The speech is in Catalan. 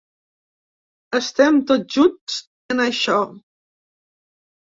Estem tots junts en això.